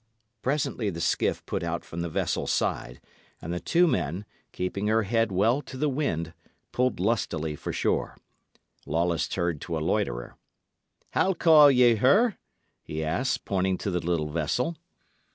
Presently the skiff put out from the vessel's side, and the two men, keeping her head well to the wind, pulled lustily for shore. Lawless turned to a loiterer. "How call ye her?" he asked, pointing to the little vessel.